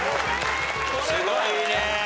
すごいね。